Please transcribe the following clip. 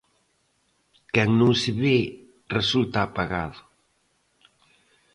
Quen non se ve resulta apagado.